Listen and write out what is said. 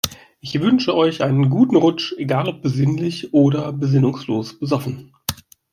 Ich wünsche euch einen guten Rutsch, egal ob besinnlich oder besinnungslos besoffen.